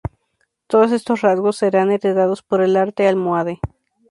Todos estos rasgos serán heredados por el arte almohade.